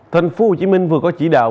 tp hcm vừa có chỉ đạo